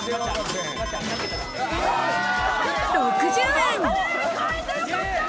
６０円！